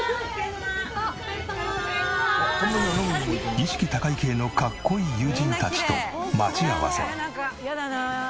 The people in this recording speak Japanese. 意識高い系のかっこいい友人たちと待ち合わせ。